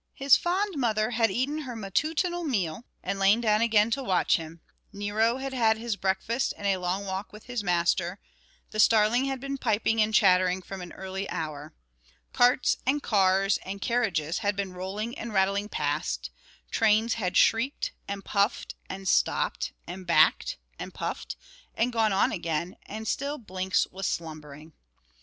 His fond mother had eaten her matutinal meal and lain down again to watch him; Nero had had his breakfast and a long walk with his master; the starling had been piping and chattering from an early hour; carts and cars and carriages had been rolling and rattling past; trains had shrieked, and puffed, and stopped, and backed, and puffed, and gone on again; and still Blinks was slumbering.